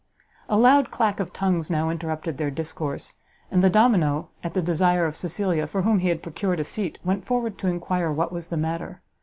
A loud clack of tongues now interrupted their discourse; and the domino, at the desire of Cecilia, for whom he had procured a seat, went forward to enquire what was the matter.